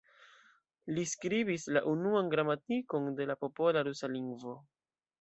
Li skribis la unuan gramatikon de la popola rusa lingvo.